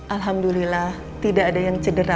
alhamdulillah tidak ada yang cedera